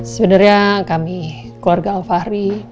sebenarnya kami keluarga al fahri